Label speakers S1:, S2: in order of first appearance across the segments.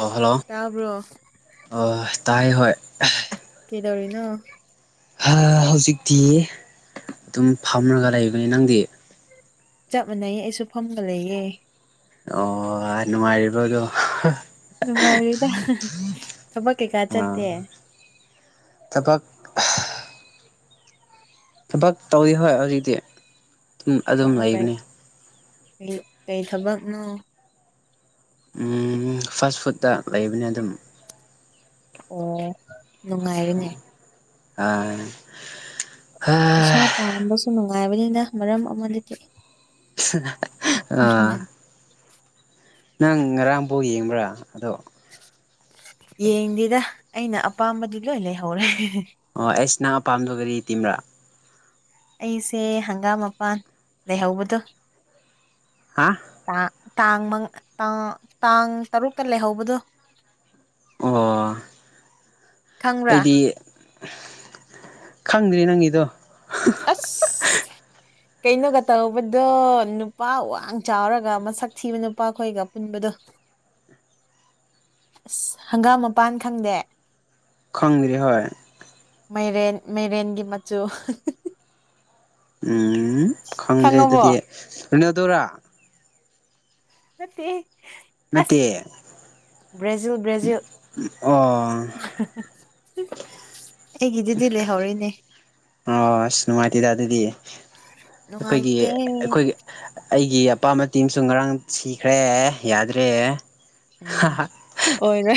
S1: ꯑꯣ ꯍꯜꯂꯣ
S2: ꯇꯥꯕ꯭ꯔꯣ
S1: ꯑꯣ ꯇꯥꯏ ꯍꯣꯏ
S2: ꯗꯧꯔꯤꯅ
S1: ꯍꯧꯖꯤꯛꯇꯤ ꯑꯗꯨꯝ ꯐꯝꯔꯒ ꯂꯩꯕꯅꯤ ꯅꯪꯗꯤ
S2: ꯆꯞ ꯃꯥꯟꯅꯩ ꯑꯩꯁꯨ ꯐꯝꯒ ꯂꯩꯌꯦꯦ
S1: ꯑꯣ ꯑꯅꯅꯨꯡ ꯃꯔꯤꯔꯤꯕ ꯑꯗꯨꯣ
S2: ꯅꯨꯡꯉꯥꯏꯔꯤꯗ ꯊꯕꯛ ꯀꯩꯀꯥ ꯆꯠꯇꯦ
S1: ꯊꯕꯛ ꯊꯕꯛ ꯇꯧꯋꯤ ꯍꯣꯏ ꯍꯧꯖꯤꯛꯇꯤ ꯑꯗꯨꯝ ꯂꯩꯕꯅꯤ
S2: ꯀ ꯀꯩ ꯊꯕꯛꯅꯣ
S1: ꯎ ꯐꯥꯁ ꯐꯨꯗꯠꯇ ꯂꯩꯕꯅꯤ ꯑꯗꯨꯝ
S2: ꯑꯣ ꯅꯨꯡꯉꯥꯏꯔꯅꯦ
S1: ꯑ
S2: ꯏꯁꯩꯥ ꯄꯥꯝꯕꯁꯨ ꯅꯨꯡꯉꯥꯏꯕꯅꯤꯅ ꯃꯔꯝ ꯑꯃꯗꯤꯗꯤ
S1: ꯑꯥ ꯅꯪ ꯉꯔꯥꯡꯐꯥꯎ ꯌꯦꯡꯕ꯭ꯔꯥ ꯑꯗꯣ
S2: ꯌꯦꯡꯗꯦꯗ ꯑꯩꯅ ꯑꯄꯥꯝꯕꯗꯤ ꯂꯣꯏ ꯂꯩꯍꯧꯔꯦ
S1: ꯑꯣ ꯑꯩꯁ ꯅꯪ ꯑꯄꯥꯝꯗꯣꯒꯔꯤ ꯇꯤꯝꯕ꯭ꯔꯥ
S2: ꯑꯩꯁꯦ ꯍꯪꯒꯥꯝ ꯃꯄꯥꯟ ꯂꯩꯍꯧꯕꯗꯣ
S1: ꯍꯥ
S2: ꯇꯥꯡ ꯇꯥꯡ ꯇꯥꯡ ꯇꯔꯨꯛꯇ ꯂꯩꯍꯧꯕꯗꯣ
S1: ꯑꯣ
S2: ꯈꯪꯕ꯭ꯔꯥ
S1: ꯑꯩꯗꯤ ꯈꯪꯗ꯭ꯔꯤ ꯅꯪꯒꯤꯗꯣ
S2: ꯑꯁ ꯀꯩꯅꯣꯒ ꯇꯧꯕꯗꯣ ꯅꯨꯄꯥ ꯋꯥꯡ ꯆꯥꯎꯔꯒ ꯃꯁꯛ ꯊꯤꯕ ꯅꯨꯄꯥꯈꯣꯏꯒ ꯄꯨꯟꯕꯗꯣ ꯑꯁ ꯍꯪꯒꯥꯝ ꯃꯄꯥꯟ ꯈꯪꯗꯦ
S1: ꯈꯣꯡꯗ꯭ꯔꯔꯤ ꯍꯣꯏ
S2: ꯃꯥꯏꯔꯦꯟ ꯃꯩꯔꯦꯟꯒꯤ ꯃꯆꯨ
S1: ꯎꯝ ꯈꯪꯗ꯭ꯔꯦ
S2: ꯈꯪꯉꯕꯣ
S1: ꯑꯗꯨꯗꯤ ꯎꯅꯗꯔꯥ
S2: ꯃꯦ
S1: ꯅꯠꯇꯦ
S2: ꯕ꯭ꯔꯖꯤꯜ ꯕ꯭ꯔꯦꯖꯤꯜ
S1: ꯑꯣ
S2: ꯑꯩꯒꯤꯗꯤꯗꯤ ꯂꯩꯦꯍꯧꯔꯤꯅꯦ
S1: ꯑ ꯑꯁ ꯅꯨꯡꯉꯥꯏꯇꯦꯗ ꯑꯗꯨꯗꯤ ꯑꯩꯈꯣꯏꯒꯤ
S2: ꯅꯨꯡꯉꯥꯏꯇꯦ
S1: ꯑꯩꯈꯣꯏꯒꯤ ꯑꯩꯒꯤ ꯑꯄꯥꯝꯕ ꯇꯤꯝꯁꯨ ꯉꯔꯥꯡ ꯁꯤꯈ꯭ꯔꯦ ꯌꯥꯗ꯭ꯔꯦ
S2: ꯎꯝ ꯑꯣꯏꯔ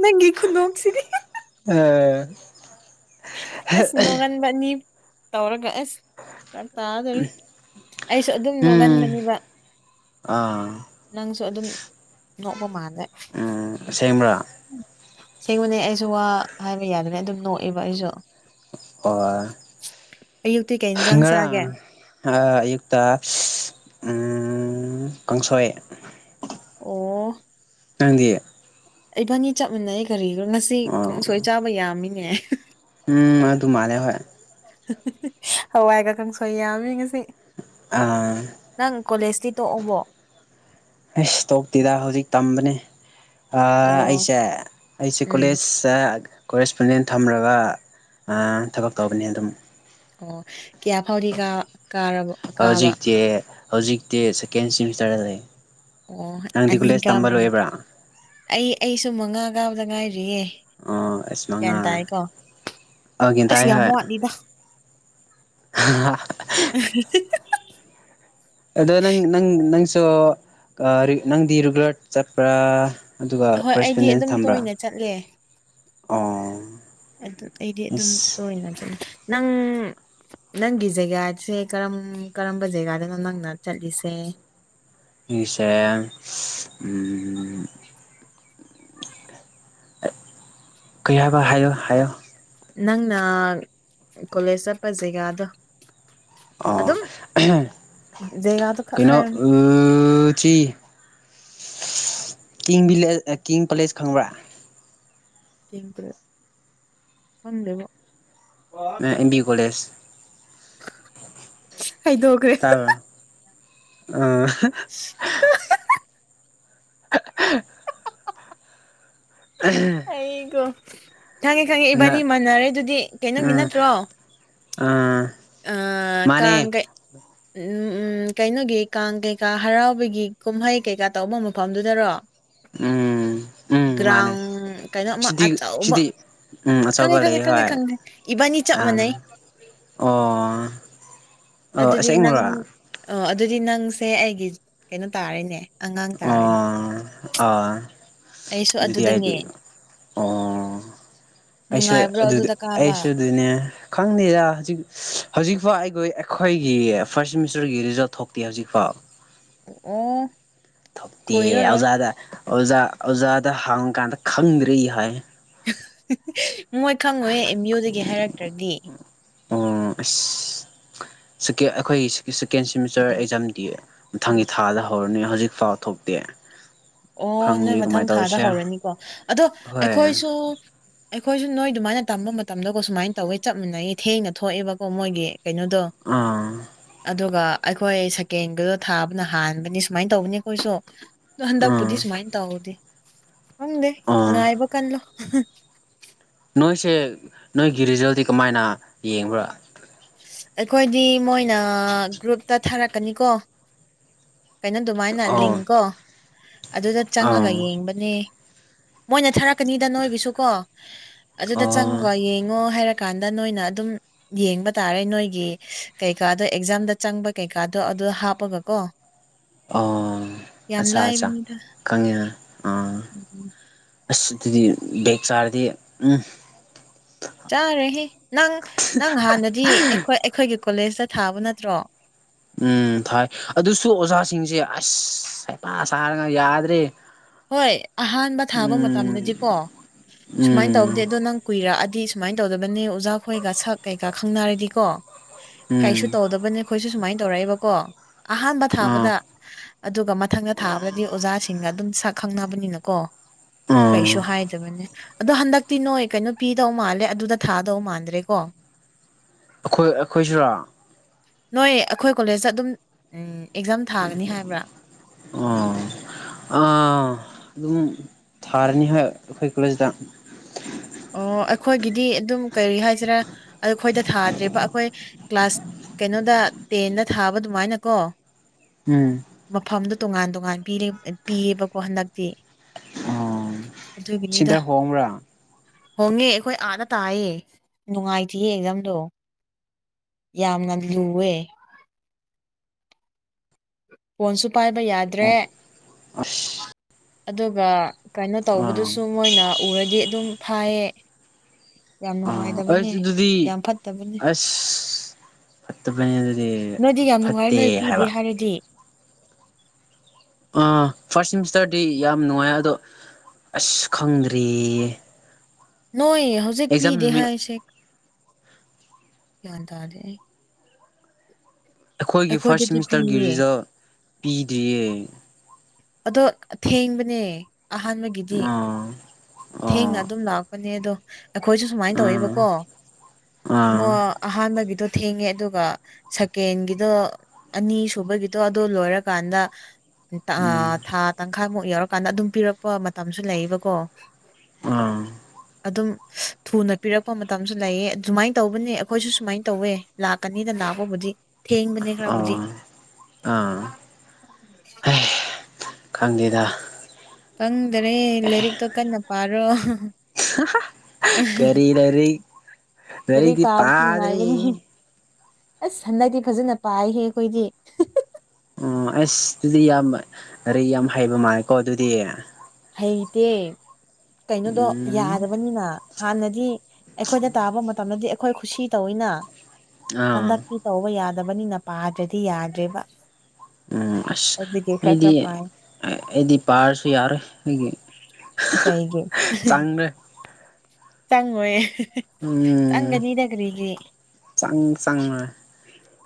S2: ꯅꯪ ꯈꯨꯨꯟꯁꯤꯔꯤ
S1: [inaudible] [inaudible]
S2: ꯑꯁ ꯅꯣꯡꯉꯟꯕ ꯑꯅꯤ ꯇꯧꯔꯒ ꯑꯁ ꯇꯥꯗꯣꯔꯤ ꯑꯩꯁꯨ ꯑꯗꯨꯝ
S1: ꯎꯝ
S2: ꯅꯣꯛꯍꯟꯕꯅꯦꯕ
S1: ꯑꯥ
S2: ꯅꯪꯁꯨ ꯑꯗꯨꯝ ꯅꯣꯛꯄ ꯃꯥꯂꯦ
S1: ꯁꯦꯡꯕꯔꯥ
S2: ꯁꯦꯡꯕꯅꯦ ꯑꯩꯁꯨ ꯋꯥ ꯍꯥꯏꯕ ꯌꯥꯗꯅ ꯑꯗꯨꯝ ꯅꯣꯛꯑꯦꯕ ꯑꯩꯁꯨ
S1: ꯑꯣ
S2: ꯑꯌꯨꯛꯇꯤ ꯀꯩ ꯏꯟꯖꯥꯡ ꯆꯥꯒꯦ
S1: ꯉꯔꯥꯡ ꯑꯌꯨꯛꯇ ꯎꯝ ꯎ ꯀꯥꯡꯁꯣꯏ
S2: ꯑꯣ
S1: ꯅꯪꯗꯤ
S2: ꯑꯩꯕꯥꯟꯅꯤ ꯆꯞꯃꯤꯟꯅꯩ ꯀꯔꯤꯅꯣ ꯉꯁꯤꯪ
S1: ꯑꯣ
S2: ꯀꯪꯁꯣꯏ ꯆꯥꯕ ꯌꯥꯝꯃꯤꯅꯦ
S1: ꯎꯝ ꯑꯗꯨꯃꯥꯟꯂꯦ ꯍꯣꯏ
S2: ꯍꯋꯥꯏꯒ ꯀꯪ ꯁꯣꯏ ꯌꯥꯝꯃꯤ ꯉꯁꯤ
S1: ꯑꯥ
S2: ꯅꯪ ꯀꯣꯂꯦꯖꯇꯤ ꯇꯣꯛꯎꯕꯣ
S1: ꯑꯩ ꯏꯁꯇꯣꯛꯇꯤꯗ ꯍꯧꯖꯤꯛ ꯇꯝꯕꯅꯦ
S2: ꯑꯣ
S1: ꯑꯩꯁꯦ ꯑꯩꯁꯦ
S2: ꯎꯝ
S1: ꯀꯣꯂꯦꯖꯇ ꯀꯣꯔꯦꯁꯄꯣꯟꯗꯦꯟ ꯊꯝꯂꯒ ꯊꯕꯛ ꯇꯧꯕꯅꯤ ꯑꯗꯨꯝ
S2: ꯑꯣ ꯀꯌꯥ ꯐꯥꯎꯗꯤ ꯀꯥꯔꯕ ꯀꯥꯕ
S1: ꯍꯧꯖꯤꯛꯇꯤ ꯍꯧꯖꯤꯛꯇꯤ ꯁꯦꯀꯦꯟ ꯁꯤꯦꯃꯤꯁꯇꯔꯗ ꯂꯩ
S2: ꯑꯣ
S1: ꯅꯪꯗꯤ ꯀꯣꯂꯦꯖ ꯇꯝꯕ
S2: ꯑꯅꯤꯒꯅꯦ
S1: ꯂꯣꯏꯕ꯭ꯔꯥ
S2: ꯑꯩ ꯑꯩꯁꯨ ꯃꯉꯥ ꯀꯥꯕꯗ ꯉꯥꯏꯔꯤꯔꯤꯌꯦ
S1: ꯑꯣ ꯑꯁ ꯃꯉꯥ
S2: ꯒ꯭ꯌꯥꯟ ꯇꯥꯏꯀꯣ
S1: ꯑ ꯒ꯭ꯌꯥꯟ
S2: ꯑꯁ
S1: ꯇꯥꯏ
S2: ꯌꯥꯝ
S1: ꯍꯣꯏ
S2: ꯋꯥꯠꯂꯤꯗ
S1: [inaudible] ꯑꯗꯣ ꯅꯪ ꯅꯪ ꯅꯪꯁꯨ ꯅꯪꯗꯤ ꯔꯤꯨꯒꯂꯠ ꯆꯠꯄ꯭ꯔꯥ ꯑꯗꯨꯒ
S2: ꯍꯣꯏ ꯑꯩꯗꯤ
S1: ꯀꯣꯔꯦꯁꯄꯦꯟꯗꯦꯟ
S2: ꯑꯗꯨꯝ
S1: ꯊꯝꯕ꯭ꯔꯥ
S2: ꯇꯣꯏꯅ ꯆꯠꯂꯦ
S1: ꯑꯣ
S2: ꯑꯗꯨ ꯑꯩꯗꯤ ꯑꯗꯨꯝ
S1: ꯏꯁ
S2: ꯇꯣꯏꯅ ꯆꯠꯅꯤ ꯅꯪ ꯅꯪꯒꯤ ꯖꯦꯒꯥꯁꯦ ꯀꯔꯝ ꯀꯔꯝꯕ ꯖꯒꯥꯗꯅꯣ ꯅꯪꯅ ꯆꯠꯂꯤꯁꯦ
S1: ꯃꯤꯌꯁꯔꯦꯟ ꯎꯝ ꯀꯩꯍꯥꯏꯕ ꯍꯥꯏꯌꯣ ꯍꯥꯏꯌꯣ
S2: ꯅꯪꯅ ꯀꯣꯂꯦꯖ ꯆꯠꯄ ꯖꯒꯥꯗꯣ
S1: ꯑ
S2: ꯑꯗꯨꯝ ꯖꯒꯥꯗꯣ ꯈꯛ
S1: ꯀꯩꯅꯣ
S2: ꯍꯥꯏꯔꯝꯃꯨ
S1: ꯆꯤ ꯀꯤꯡ ꯕꯤꯂꯦ ꯀꯤꯡ ꯄꯦꯂꯦꯁ ꯈꯪꯕ꯭ꯔꯥ
S2: ꯀꯦ ꯈꯪꯗꯦꯕꯣ
S1: ꯑꯦꯝꯕꯤ ꯀꯣꯂꯦꯖ
S2: ꯍꯥꯏꯗꯣꯛꯒ꯭꯭ꯔꯦ
S1: ꯇꯥꯕ꯭ꯔꯥ ꯑ [inaudible]
S2: ꯑꯩꯒ ꯈꯪꯉꯦ ꯈꯪꯉꯦ
S1: ꯉ
S2: ꯏꯕꯥꯟꯅꯤ ꯃꯥꯟꯅꯔꯦ ꯑꯗꯨꯗꯤ
S1: ꯑ
S2: ꯀꯩꯅꯣꯒꯤ ꯅꯠꯇ꯭ꯔꯣ
S1: ꯑ
S2: ꯑ
S1: ꯃꯥꯅꯦ
S2: ꯀꯥꯡꯒ ꯎꯝ ꯎꯝ ꯀꯩꯅꯣꯒꯤ ꯀꯥꯡ ꯀꯩꯀꯥ ꯍꯔꯥꯎꯕꯤꯒꯤ ꯀꯨꯝꯍꯩ ꯀꯩꯀꯥ ꯇꯧꯕ ꯃꯐꯝꯗꯨꯗꯔꯣ
S1: ꯎꯝ ꯎꯝ ꯃꯥꯅꯦ
S2: ꯒ꯭ꯔꯥꯎꯟ ꯀꯩꯅꯣ ꯑꯃ
S1: ꯁꯤꯗꯤ
S2: ꯑꯆꯥꯎ ꯑꯃ
S1: ꯁꯤꯗꯤ ꯎꯝ
S2: ꯈꯪꯉꯦ
S1: ꯑꯆꯧꯕ
S2: ꯈꯪꯉꯦ
S1: ꯂꯩ
S2: ꯈꯪꯉꯦ
S1: ꯍꯣꯏ
S2: ꯈꯪꯗꯦ ꯏꯕꯥꯅꯤ ꯆꯞ ꯃꯥꯟꯅꯩ
S1: ꯑꯥ ꯑꯣ ꯑꯣ
S2: ꯑꯗꯨꯗꯤ ꯅꯪ
S1: ꯑꯁꯦꯡꯕꯔꯥ
S2: ꯑ ꯑꯗꯨꯗꯤ ꯅꯪꯁꯦ ꯑꯩꯒꯤ ꯀꯩꯅꯣ ꯇꯥꯔꯅꯦ ꯑꯉꯥꯡ ꯇꯥꯔꯅꯦ
S1: ꯑ ꯑꯗꯨꯗꯤ ꯍꯥꯏꯗꯤ
S2: ꯑꯗꯨꯗꯅꯦ
S1: ꯑꯣ
S2: [inaudible]
S1: ꯑꯩꯁꯨ ꯑꯗꯨꯗꯤ
S2: ꯑꯗꯨꯗ ꯀꯥꯕ
S1: ꯑꯩꯁꯨ ꯑꯗꯨꯅꯦ ꯈꯪꯗꯦꯗ ꯍꯧꯖꯤꯛ ꯍꯧꯖꯤꯛꯐꯥꯎ ꯑꯩꯈꯣꯏ ꯑꯩꯈꯣꯏꯒꯤ ꯐꯥꯔ꯭ꯁꯠ ꯁꯦꯃꯤꯁꯇꯔꯒꯤ ꯔꯤꯖꯜꯠ ꯊꯣꯛꯇꯦ ꯍꯧꯖꯤꯛꯐꯥꯎ
S2: ꯑꯣ
S1: ꯊꯣꯛꯇꯦ
S2: ꯀꯨꯏꯔꯔꯣꯏ
S1: ꯑꯣꯖꯥꯗ ꯑꯣꯖꯥ ꯑꯣꯖꯥꯗ ꯍꯥꯡꯉꯨ ꯀꯥꯟꯗ ꯈꯪꯗ꯭ꯔꯤ ꯍꯥꯏ
S2: ꯃꯣꯏ ꯈꯪꯉꯣꯏꯍꯦ ꯑꯦꯝ ꯑꯣꯏꯗꯒꯤ ꯍꯥꯏꯔꯛꯇ꯭ꯔꯗꯤ
S1: ꯑꯣ ꯑꯁ ꯑꯩꯈꯣꯏꯒꯤ ꯁꯦꯀꯦꯟ ꯁꯦꯃꯤꯁꯇꯔ ꯑꯦꯛꯖꯥꯝꯗꯤ ꯃꯊꯪꯒꯤ ꯊꯥꯗꯒꯤ ꯍꯧꯔꯅꯤ ꯍꯧꯖꯤꯛ ꯐꯥꯎ ꯊꯣꯛ ꯇꯦ
S2: ꯑꯣ ꯅꯣꯏ ꯃꯊꯪ ꯊꯥꯗ ꯍꯧꯔꯅꯤꯀꯣ ꯑꯗꯣ
S1: ꯍꯣꯏ
S2: ꯑꯩꯈꯣꯏꯁꯨ ꯑꯩꯈꯣꯏꯁꯨ ꯅꯣꯏ ꯑꯗꯨꯃꯥꯏꯅ ꯇꯝꯕ ꯃꯇꯝꯗꯀꯣ ꯁꯨꯃꯥꯏꯅ ꯇꯧꯋꯦ ꯆꯞ ꯃꯟꯅꯥꯌꯦ ꯊꯦꯡꯅ ꯊꯣꯛꯑꯦꯕꯀꯣ ꯃꯣꯏꯒꯤ ꯀꯩꯅꯣꯗꯣ
S1: ꯑꯥ
S2: ꯑꯗꯨꯒ ꯑꯩꯈꯣꯏ ꯁꯀꯦꯟꯒꯗꯣ ꯊꯥꯕꯅ ꯍꯥꯟꯕꯅꯤ ꯁꯨꯃꯥꯏꯅ ꯇꯧꯕꯅꯤ ꯑꯩꯈꯣꯏꯁꯨ ꯑꯗ ꯍꯟꯗꯛ
S1: ꯎꯝ
S2: ꯄꯨꯗꯤ ꯁꯨꯃꯥꯏꯅ ꯇꯧꯗꯦ ꯈꯪꯗꯦ
S1: ꯑꯥ
S2: ꯉꯥꯏꯕ ꯀꯜꯂꯣ
S1: ꯅꯣꯏꯁꯦ ꯅꯣꯏꯒꯤ ꯔꯤꯖꯜꯗꯤ ꯀꯃꯥꯏꯅ ꯌꯦꯡꯕ꯭ꯔꯥ
S2: ꯑꯩꯈꯣꯏꯗꯤ ꯃꯣꯏꯅ ꯒ꯭ꯔꯨꯞꯇ ꯊꯥꯔꯛꯀꯅꯤꯀꯣ ꯀꯩꯅꯣ ꯑꯗꯨꯃꯥꯏꯅ
S1: ꯑꯣ
S2: ꯂꯤꯡꯀꯣ ꯑꯗꯨꯗ
S1: ꯑꯥ
S2: ꯆꯪꯉꯒ ꯌꯦꯡꯕꯅꯦ ꯃꯣꯏꯅ ꯊꯥꯔꯛꯀꯅꯤꯗ ꯅꯣꯏꯒꯤꯁꯨ ꯀꯣ ꯑꯗꯨꯗ
S1: ꯑꯣ
S2: ꯆꯪꯒ ꯌꯦꯡꯉꯣ ꯍꯥꯏꯔꯀꯥꯟꯗ ꯅꯣꯏꯅ ꯑꯗꯨꯝ ꯌꯦꯡꯕ ꯇꯥꯔꯦ ꯅꯣꯏꯒꯤ ꯀꯩꯀꯥꯗꯣ ꯑꯦꯛꯖꯥꯝꯗ ꯆꯪꯕ ꯀꯩꯀꯥꯗꯣ ꯑꯗꯨ ꯍꯥꯞꯄꯒ ꯀꯣ
S1: ꯑꯣ
S2: ꯌꯥꯝ
S1: ꯑꯠꯆꯥ ꯑꯠꯆꯥꯆꯥ ꯈꯪꯉꯦꯅ
S2: ꯎꯝꯝ
S1: ꯑꯁ ꯑꯗꯨꯗꯤ ꯕꯦꯛ ꯆꯥꯔꯗꯤ ꯎꯝ
S2: ꯆꯥꯔꯣꯏꯍꯦ ꯅꯪ ꯅꯪ ꯍꯥꯟꯅꯗꯤ ꯑꯩꯈꯣꯏ ꯑꯩꯈꯣꯏꯒꯤ ꯀꯣꯂꯦꯖꯇ ꯊꯥꯕ ꯅꯠꯇ꯭ꯔꯣ
S1: ꯎꯝ ꯊꯥꯏ ꯑꯗꯨꯁꯨ ꯑꯣꯖꯥꯁꯤꯡꯁꯦ ꯑꯁ ꯍꯥꯏꯄ ꯁꯥꯔꯒ ꯌꯥꯗ꯭ꯔꯦ
S2: ꯍꯣꯏ ꯑꯍꯥꯟꯕ ꯊꯥꯕ
S1: ꯎꯝ
S2: ꯃꯇꯝꯗꯗꯤꯀꯣ ꯁꯨꯃꯥꯏꯅ
S1: ꯎꯝ
S2: ꯇꯧꯗꯦ ꯑꯗꯣ ꯅꯪ ꯀꯨꯏꯔꯛꯑꯗꯤ ꯑꯗꯨꯃꯥꯏꯅ ꯇꯧꯗꯕꯅꯦ ꯑꯣꯖꯥꯈꯣꯏꯒ ꯁꯛ ꯀꯩꯀꯥ ꯈꯪꯅꯔꯗꯤꯀꯣ
S1: ꯎꯝ
S2: ꯀꯩꯁꯨ ꯇꯧꯗꯕꯅꯦ ꯑꯩꯈꯣꯏꯁꯨ ꯁꯨꯃꯥꯏꯅ ꯇꯧꯔꯛꯏꯕꯀꯣ ꯑꯍꯥꯟꯕ
S1: ꯑꯥ
S2: ꯊꯥꯕꯗ ꯑꯗꯨꯒ ꯃꯊꯪꯗ ꯊꯥꯕꯗꯗꯤ ꯑꯣꯖꯥꯁꯤꯡꯒ ꯑꯗꯨꯝ ꯁꯛ ꯈꯪꯅꯕꯅꯤꯅꯀꯣ
S1: ꯑꯥ
S2: ꯀꯩꯁꯨ ꯍꯥꯏꯗꯕꯅꯦ ꯑꯗꯣ ꯍꯟꯗꯛꯇꯤ ꯅꯣꯏ ꯀꯩꯅꯣ ꯄꯤꯗꯧ ꯃꯥꯜꯂꯦ ꯑꯗꯨꯗ ꯊꯥꯗꯧ ꯃꯥꯟꯗ꯭ꯔꯦꯀꯣ
S1: ꯑꯩꯈꯣꯏ ꯑꯩꯈꯣꯏꯁꯤꯔꯥ
S2: ꯅꯣꯏ ꯑꯩꯈꯣꯏ ꯀꯣꯂꯦꯖꯇ ꯑꯗꯨꯝ ꯎ ꯑꯦꯛꯖꯥꯝ ꯊꯥꯒꯅꯤ ꯍꯥꯏꯕ꯭ꯔꯥ
S1: ꯑꯥ ꯑꯥ ꯑꯗꯨꯝ ꯊꯥꯔꯅꯤ ꯍꯣꯏ ꯑꯩꯈꯣꯏ ꯀꯣꯂꯦꯖꯇ
S2: ꯑꯣ ꯑꯩꯈꯣꯏꯒꯤꯗꯤ ꯑꯗꯨꯝ ꯀꯔꯤ ꯍꯥꯏꯁꯤꯔꯥ ꯑꯩꯈꯣꯏꯗ ꯊꯥꯗ꯭ꯔꯤꯕ ꯑꯩꯈꯣꯏ ꯀ꯭ꯂꯥꯁ ꯀꯩꯅꯣꯗ ꯇꯦꯟꯗ ꯊꯥꯕ ꯑꯗꯨꯃꯥꯏꯅꯀꯣ ꯃꯐꯝꯗꯨ ꯇꯣꯉꯥꯟ ꯇꯣꯉꯥꯟ ꯄꯤꯌꯦꯕꯀꯣ ꯍꯟꯗꯛꯇꯤ
S1: ꯑꯣ
S2: ꯑꯗꯨꯒꯤꯅꯤꯗ
S1: ꯁꯤꯗꯥ ꯍꯣꯡꯕꯔꯥ
S2: ꯍꯣꯡꯉꯦ ꯑꯩꯈꯣꯏ ꯑꯥꯗ ꯇꯥꯏꯌꯦ ꯅꯨꯡꯉꯥꯏꯇꯤꯌꯦ ꯑꯦꯛꯖꯝꯗꯣ ꯌꯥꯝꯅ ꯂꯨꯑꯦ ꯐꯣꯟꯁꯨ ꯄꯥꯏꯕ ꯌꯥꯗ꯭ꯔꯦ ꯑꯗꯨꯒ ꯀꯥꯏꯅꯣ ꯇꯧꯕꯗꯨꯁꯨ ꯃꯣꯏꯅ ꯎꯔꯗꯤ ꯑꯗꯨꯝ ꯐꯥꯏꯌꯦ ꯌꯥꯝ
S1: ꯑ
S2: ꯅꯨꯡꯉꯥꯏꯇꯕꯅꯦ
S1: ꯑꯁ ꯑꯗꯨꯗꯤ
S2: ꯌꯥꯝ ꯐꯠꯇꯕꯅꯦ
S1: ꯑꯁ ꯐꯠꯇꯕꯅꯦ ꯑꯗꯨꯗꯤ
S2: ꯅꯣꯏꯗꯤ ꯌꯥꯝ ꯅꯨꯡꯉꯥꯏ
S1: ꯐꯠꯇꯦ
S2: ꯅꯣꯏ ꯄꯤꯗꯦ
S1: ꯍꯥꯏꯕ
S2: ꯍꯥꯏꯔꯗꯤ
S1: ꯑ ꯐꯥꯔꯁ ꯁꯤꯃꯤꯁꯇꯔꯗꯤ ꯌꯥꯝ ꯅꯨꯡꯉꯥꯏ ꯑꯗꯣ ꯑꯁ ꯈꯪꯗ꯭ꯔꯤꯌꯦ
S2: ꯅꯣꯏ ꯍꯧꯖꯤꯛ
S1: ꯑꯦꯛꯖꯥꯝ
S2: ꯄꯤꯗꯦ
S1: ꯅꯨꯃꯤꯠ
S2: ꯍꯥꯏꯁꯦ ꯒ꯭ꯌꯥꯟ ꯇꯥꯗꯦ ꯑꯩ
S1: ꯑꯩꯈꯣꯏꯒꯤ ꯐꯥꯔꯁꯠ
S2: ꯑꯩꯈꯣꯏꯗꯗꯤ
S1: ꯁꯤꯃꯤꯁꯇꯔꯒꯤ
S2: ꯄꯤꯌꯦ
S1: ꯔꯤꯖꯜ ꯄꯤꯗ꯭ꯔꯤꯌꯦ
S2: ꯑꯗꯣ ꯑꯊꯦꯡꯕꯅꯦ ꯑꯍꯥꯟꯕꯒꯤꯗꯤ
S1: ꯑꯥ ꯑꯥ
S2: ꯊꯦꯡꯅ ꯑꯗꯨꯝ ꯂꯥꯛꯄꯅꯦ ꯑꯗꯣ ꯑꯩꯈꯣꯏꯁꯨ ꯁꯨꯃꯥꯏꯅ
S1: ꯑꯥ
S2: ꯇꯧꯋꯕꯀꯣ
S1: ꯑꯥ
S2: ꯃ ꯑꯍꯥꯟꯕꯒꯤꯗꯣ ꯊꯦꯡꯉꯦ ꯑꯗꯨꯒ ꯁꯀꯦꯟꯒꯤꯗꯣ ꯑꯅꯤꯁꯨꯨꯕꯒꯤꯗꯣ ꯑꯗꯨ ꯂꯣꯏꯔꯀꯥꯟꯗ
S1: ꯎꯝ
S2: ꯊꯥ ꯇꯪꯈꯥꯏꯃꯨꯛ ꯌꯥꯎꯔꯀꯥꯟꯗ ꯑꯗꯨꯝ ꯄꯤꯔꯛꯄ ꯃꯇꯝꯁꯨ ꯂꯩꯌꯦꯕꯀꯣ
S1: ꯑꯥ
S2: ꯑꯗꯨꯝ ꯊꯨꯅ ꯄꯤꯔꯛꯄ ꯃꯇꯝꯁꯨ ꯂꯩꯌꯦ ꯑꯗꯨꯃꯥꯏꯅ ꯇꯧꯕꯅꯦ ꯑꯩꯈꯣꯏꯁꯨ ꯁꯨꯃꯥꯏꯅ ꯇꯧꯋꯦ ꯂꯥꯛꯀꯅꯤꯗ ꯂꯥꯛꯄ ꯕꯨꯗꯤ ꯊꯦꯡꯕꯅꯦ
S1: ꯑꯥ
S2: ꯈꯔꯕꯨꯗꯤ
S1: ꯑꯥ ꯈꯪꯗꯦꯗ
S2: ꯈꯪꯗꯔꯦ ꯂꯥꯏꯔꯤꯛꯇꯣ ꯀꯟꯅ ꯄꯥꯔꯣ
S1: ꯀꯔꯤ ꯂꯥꯏꯔꯤꯛ
S2: ꯂꯥꯏꯔꯤꯛ
S1: ꯂꯩꯔꯗꯤ
S2: ꯄꯥꯕꯁꯨ
S1: ꯄꯥꯗꯔꯤ
S2: ꯅꯨꯡꯉꯥꯏꯕꯅꯤ ꯑꯁ ꯍꯟꯗꯛꯗꯤ ꯐꯖꯅ ꯄꯥꯏꯍꯦ ꯑꯩꯈꯣꯏꯗꯤ
S1: ꯑꯣ ꯑꯁ ꯑꯗꯨꯗꯤ ꯌꯥꯝ ꯂꯥꯏꯔꯤꯛ ꯌꯥꯝ ꯍꯩꯕ ꯃꯥꯜꯂꯦꯀꯣ ꯑꯗꯨꯗꯤ
S2: ꯍꯩꯇꯦ ꯀꯩꯅꯣꯗꯣ
S1: ꯎꯝ
S2: ꯌꯥꯗꯕꯅꯤꯅ ꯍꯥꯟꯅꯗꯤ ꯑꯩꯈꯣꯏꯗ ꯇꯥꯕ ꯃꯇꯝꯗꯗꯤ ꯑꯩꯈꯣꯏ ꯈꯨꯁꯤ ꯇꯧꯑꯦꯅ
S1: ꯑꯥ
S2: ꯍꯟꯗꯛꯇꯤ ꯇꯧꯕ ꯌꯥꯗꯦ ꯌꯥꯗꯕꯅꯤꯅ ꯄꯥꯗ꯭ꯔꯗꯤ ꯌꯥꯗ꯭ꯔꯦꯕ
S1: ꯎꯝ ꯑꯁ
S2: ꯑꯗꯨꯒꯤ ꯈꯔ
S1: ꯑꯩꯗꯤ
S2: ꯈꯔ ꯄꯥꯏ
S1: ꯑꯩꯗꯤ ꯄꯥꯔꯁꯨ ꯌꯥꯔꯣꯏ ꯑꯩꯒꯤ ꯆꯟꯗꯔ꯭ꯦ
S2: ꯆꯪꯉꯣꯏꯌꯦ
S1: ꯎꯝ ꯆꯪꯁꯪ ꯃ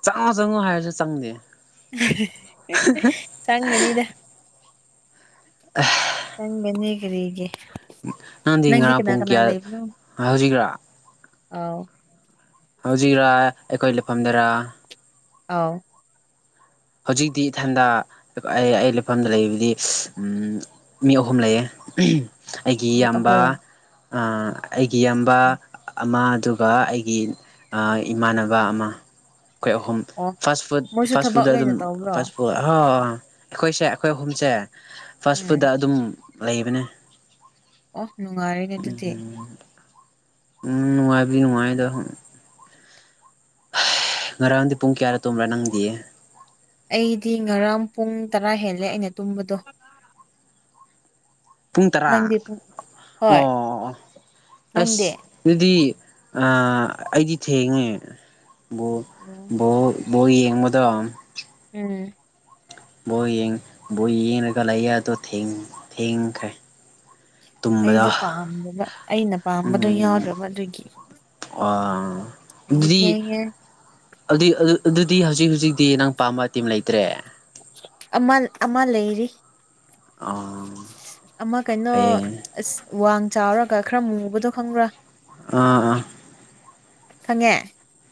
S1: ꯆꯪꯉꯣ ꯆꯪꯉꯣ ꯍꯥꯏꯔꯁꯨ ꯆꯪꯗꯦ
S2: ꯆꯪꯒꯅꯤꯗ ꯆꯪꯒꯅꯤ ꯀꯔꯤꯒꯤ
S1: ꯅꯪꯗꯤ ꯉꯔꯥꯡ
S2: ꯀꯅꯥ
S1: ꯄꯨꯡ
S2: ꯀꯅꯥ
S1: ꯀꯌꯥ
S2: ꯂꯩꯕꯅꯣ
S1: ꯍꯧꯖꯤꯛꯔꯥ
S2: ꯑꯥꯎ
S1: ꯍꯧꯖꯤꯛꯔꯥ ꯑꯩꯈꯣꯏ ꯂꯩꯐꯝꯗꯔꯥ
S2: ꯑꯥꯎ
S1: ꯍꯧꯖꯤꯛꯇꯤ ꯏꯊꯟꯗ ꯑꯩ ꯑꯩ ꯂꯩꯐꯝꯗ ꯂꯩꯕꯗꯤ ꯃꯤ ꯑꯍꯨꯝ ꯂꯩꯌꯦ ꯑꯩꯒꯤ
S2: ꯃꯤ
S1: ꯏꯌꯥꯝꯕ
S2: ꯑꯍꯨꯝ
S1: ꯑꯩꯒꯤ ꯏꯌꯥꯝꯕ ꯑꯃ ꯑꯗꯨꯒ ꯑꯩꯒꯤ ꯏꯃꯥꯟꯅꯕ ꯑꯃ ꯑꯩꯈꯣꯏ ꯑꯍꯨꯝ
S2: ꯑꯣ
S1: ꯐꯥꯁ ꯐꯨꯗ
S2: ꯃꯣꯏꯁꯨ ꯊꯕꯛ
S1: ꯐꯥꯁ ꯨꯗ ꯑꯗꯨꯝ
S2: ꯂꯣꯏꯅ ꯇꯧꯕ꯭ꯔꯣ
S1: ꯐꯥ ꯐꯨ ꯑ ꯑꯩꯈꯣꯏꯁꯦ ꯑꯩꯈꯣꯏ ꯑꯍꯨꯝꯁꯦ ꯐꯥꯔꯁ
S2: ꯎꯝ
S1: ꯐꯨꯗ ꯑꯗꯨꯝ ꯂꯩꯕꯅꯦ
S2: ꯑꯣꯍ ꯅꯨꯡꯉꯥꯏꯔꯦꯅꯦ ꯑꯗꯨꯗꯤ
S1: ꯎꯝ ꯎꯝ ꯅꯨꯡꯉꯥꯏꯗꯤ ꯅꯨꯡꯉꯥꯏꯗ ꯉꯔꯥꯡꯒꯥꯟꯗꯤ ꯄꯨꯡ ꯀꯌꯥ ꯇꯨꯝ ꯔꯅꯗꯤꯦ
S2: ꯑꯩꯗꯤ ꯉꯔꯥꯡ ꯄꯨꯡ ꯇꯔꯥ ꯍꯦꯜꯂꯦ ꯑꯩꯅ ꯇꯨꯝꯕꯗꯣ
S1: ꯄꯨꯡ ꯇꯔꯥ
S2: ꯅꯪꯗꯤ ꯄꯨꯡ
S1: ꯑꯣ
S2: ꯍꯣꯏ ꯅꯪꯗꯤ
S1: ꯑꯥ ꯑꯩꯗꯤ ꯊꯦꯡꯉꯦ ꯕꫭꯜ
S2: ꯑꯣ
S1: ꯕꯣꯜ ꯕꯣꯜ ꯌꯦꯡꯕꯗꯣ
S2: ꯎꯝ
S1: ꯌꯦꯡ ꯌꯦꯒ ꯂꯩ ꯊ ꯊꯦꯡꯈ
S2: ꯑꯩꯗ ꯄꯥꯗꯕ ꯑꯩꯅ ꯄꯥꯝꯕꯗꯣ ꯌꯥꯎꯗ꯭ꯔꯕ ꯑꯗꯨꯒꯤ
S1: ꯄ
S2: ꯗꯤ ꯊꯦꯡꯉꯤ
S1: ꯑꯗꯨꯏ ꯑꯗꯨꯗꯤ ꯍꯧꯖꯤꯛ ꯍꯧꯖꯤꯛꯇꯤ ꯅꯪ ꯄꯥꯝꯕ ꯇꯤꯝ ꯂꯩꯇ꯭ꯔꯦ
S2: ꯑꯃ ꯑꯃ ꯂꯩꯔꯤ
S1: ꯑꯥ
S2: ꯑꯃ ꯀꯩꯅꯩꯅꯣ
S1: ꯐꯩꯌꯦ
S2: ꯋꯥ ꯆꯥꯎꯔꯒ ꯈꯔ ꯃꯨꯕꯗꯣ ꯈꯪꯕ꯭ꯔꯥ
S1: ꯑꯥ ꯑꯥ
S2: ꯐꯪꯉꯦ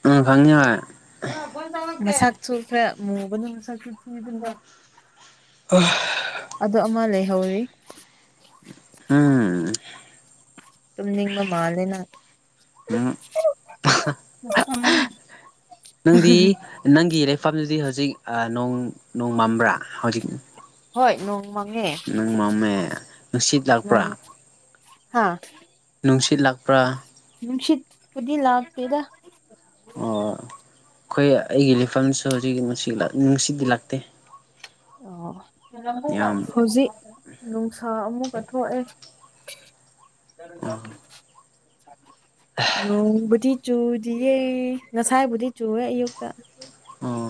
S1: ꯑꯝ ꯈꯪꯉꯦ
S2: ꯃꯥꯁꯛꯁꯨ ꯈꯔ ꯃꯨꯕꯅꯦ ꯃꯥꯁꯛ ꯊꯤꯕꯅꯦ ꯑꯗꯥ ꯑꯃꯥ ꯂꯩꯍꯧꯔꯤ
S1: ꯑꯝ
S2: ꯇꯨꯝꯅꯤꯡꯕ ꯃꯥꯜꯂꯦ ꯅꯪ
S1: ꯎꯝ
S2: ꯍꯥ ꯍꯥ ꯍꯥ
S1: ꯃꯥꯐꯝꯗꯤ ꯍꯧꯖꯤꯛ ꯅꯣꯡ ꯅꯣꯡ ꯃꯪꯕ꯭ꯔꯥ ꯍꯧꯖꯤꯛ
S2: ꯍꯣꯏ ꯅꯣꯡ ꯃꯪꯉꯦ
S1: ꯅꯪꯡ ꯃꯝꯃꯦ ꯅꯨꯡꯁꯤꯠ ꯂꯥꯛꯄ꯭ꯔꯥ
S2: ꯅꯣꯡ
S1: ꯁꯤꯠ ꯂꯥꯛꯄ꯭ꯔꯥ
S2: ꯅꯨꯡꯁꯤꯠ ꯄꯨꯗꯤ ꯂꯥꯛꯇꯦꯗ
S1: ꯑꯣ ꯑꯈꯣꯏ ꯑꯩꯒꯤ ꯂꯩꯐꯝꯁꯨ ꯍꯧꯖꯤꯛ ꯅꯨꯡꯁꯤꯠ ꯂꯥꯛꯇꯦ
S2: ꯑꯣ
S1: ꯌꯥꯝ
S2: ꯍꯧꯖꯤꯛ ꯅꯨꯡꯁꯥ ꯑꯃꯨꯛ ꯊꯣꯛꯑꯦ ꯅꯣꯡꯕꯨꯗꯤ ꯆꯨꯗꯤꯌꯦ ꯉꯁꯥꯏꯕꯨꯗꯤ ꯆꯨꯋꯦ ꯑꯌꯨꯛꯇꯥ
S1: ꯑꯣ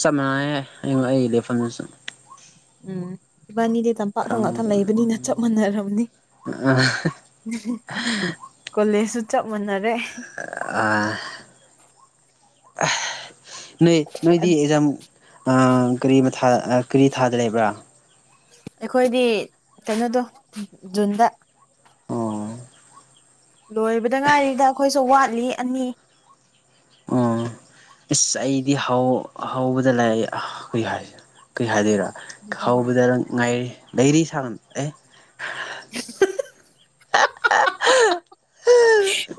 S1: ꯆꯞ ꯃꯥꯟꯅꯩꯌꯦ ꯑꯩꯒꯤ ꯂꯩꯐꯝꯗꯨꯁꯨ
S2: ꯑꯝ ꯏꯕꯥꯟꯅꯤꯗꯤ ꯇꯝꯄꯥꯛꯇ
S1: ꯈꯔ
S2: ꯉꯥꯛꯇ ꯂꯩꯕꯅꯤꯅ ꯆꯞ ꯃꯥꯟꯅꯥꯔꯝꯃꯅꯤ ꯀꯣꯂꯦꯖꯁꯨ ꯆꯞ ꯃꯥꯟꯅꯔꯦ
S1: ꯑꯥ ꯅꯣꯏ ꯅꯣꯏꯗꯤ ꯑꯦꯛꯖꯥꯝ ꯇꯥꯡ ꯀꯔꯤ ꯀꯔꯤ ꯊꯥꯗ ꯂꯩꯕ꯭ꯔꯥ
S2: ꯑꯩꯈꯣꯏꯗꯤ ꯀꯩꯅꯣꯗꯣ ꯖꯨꯟꯗ
S1: ꯑꯣ
S2: ꯂꯣꯏꯕꯗꯥ ꯉꯥꯏꯔꯤꯗ ꯑꯩꯈꯣꯏꯁꯨ ꯋꯥꯠꯂꯤ ꯑꯅꯤ
S1: ꯏꯁ ꯑꯩꯗꯤ ꯍꯧ ꯍꯧꯕꯗ ꯂꯩ ꯀ꯭ꯔꯤ ꯍꯥꯏꯗꯣꯏꯔꯥ ꯍꯧꯕꯗ ꯉꯥꯏꯔꯤ ꯂꯩꯔꯤ ꯁꯥꯥꯡ ꯑꯦ ꯍꯥꯍꯥ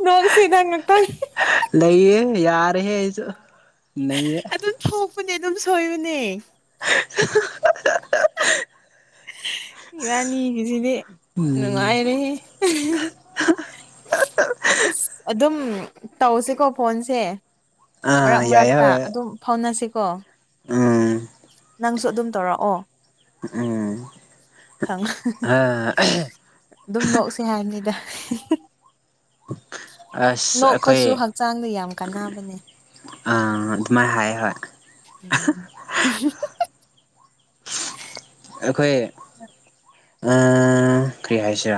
S2: ꯅꯪꯁꯤꯗꯥ ꯉꯥꯛꯇꯡ
S1: ꯂꯩꯌꯦ ꯌꯥꯔꯦꯍꯦ ꯅꯪꯁꯨ ꯅꯩꯔꯦ
S2: ꯅꯪꯗꯤ ꯑꯗꯨꯝ ꯁꯣꯏꯕꯥꯅꯦ
S1: ꯍꯥꯍꯥ
S2: ꯏꯕꯥꯟꯅꯤꯒꯤꯁꯤꯗꯤ
S1: ꯎꯝ
S2: ꯅꯨꯡꯉꯥꯏꯔꯦꯍꯦ ꯑꯁ ꯑꯗꯨꯝ ꯇꯧꯁꯤꯀꯣ ꯐꯣꯟꯁꯦ
S1: ꯑꯥ
S2: ꯃꯔꯛ ꯃꯔꯛꯇꯥ ꯑꯗꯨꯝ ꯐꯥꯎꯅꯁꯤꯀꯣ
S1: ꯑꯝ
S2: ꯅꯪꯁꯨ ꯑꯗꯨꯝ ꯇꯧꯔꯛꯑꯣ
S1: ꯑꯝ
S2: ꯑꯪ ꯑꯗꯨꯝ ꯅꯣꯛꯁꯦ ꯍꯥꯏꯕꯅꯤꯗ
S1: ꯑꯁ ꯑꯩꯈꯣꯏ
S2: ꯅꯣꯛꯄꯁꯨ ꯍꯛꯆꯥꯡꯗ ꯌꯥꯝ ꯀꯥꯟꯅꯕꯅꯦ
S1: ꯑꯥ ꯑꯗꯨꯃꯥꯏ ꯍꯥꯏ ꯍꯣꯏ
S2: ꯑꯝ
S1: ꯑꯩꯈꯣꯏ
S2: ꯍꯣꯏ
S1: ꯑꯥ ꯀꯔꯤ ꯍꯥꯏꯁꯤꯔꯥ